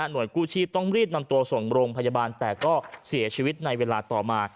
โดยกู้ชีพต้องรีบนำตัวส่งโรงพยาบาลแต่ก็เสียชีวิตในเวลาต่อมา